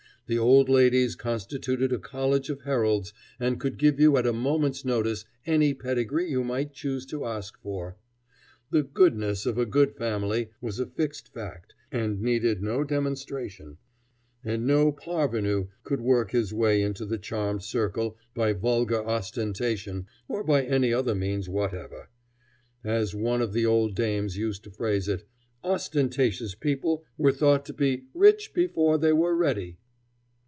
The old ladies constituted a college of heralds and could give you at a moment's notice any pedigree you might choose to ask for. The "goodness" of a good family was a fixed fact and needed no demonstration, and no parvenu could work his way into the charmed circle by vulgar ostentation or by any other means whatever. As one of the old dames used to phrase it, ostentatious people were thought to be "rich before they were ready."